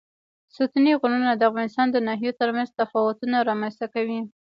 ستوني غرونه د افغانستان د ناحیو ترمنځ تفاوتونه رامنځ ته کوي.